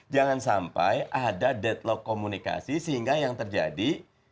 jangan sampai ada deadlock komunikasi sehingga yang terjadi